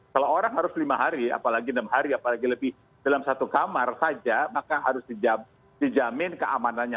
kalau orang harus lima hari apalagi enam hari apalagi lebih dalam satu kamar saja maka harus dijamin keamanannya